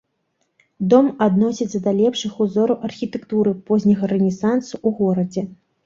Дом адносіцца да лепшых узораў архітэктуры позняга рэнесансу ў горадзе.